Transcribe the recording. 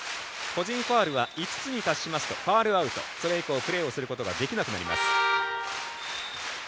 個人ファウルは５つに達しますとファウルアウトそれ以降プレーをすることができなくなります。